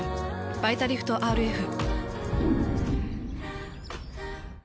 「バイタリフトＲＦ」。